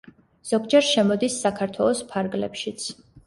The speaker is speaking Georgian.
ზოგჯერ შემოდის საქართველოს ფარგლებშიც.